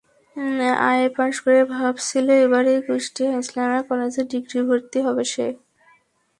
IA pass করে ভাবছিল এবারেই কুষ্টিয়া ইসলামিয়া কলেজে ডিগ্রি ভর্তি হবে সে।